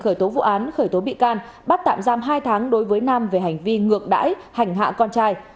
khởi tố vụ án khởi tố bị can bắt tạm giam hai tháng đối với nam về hành vi ngược đãi hành hạ con trai